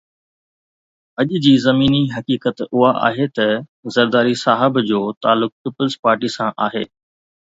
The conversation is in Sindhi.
اڄ جي زميني حقيقت اها آهي ته زرداري صاحب جو تعلق پيپلز پارٽي سان آهي